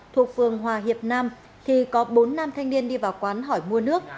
thuộc phường hòa hiệp nam thì có bốn nam thanh niên đi vào quán hỏi mua nước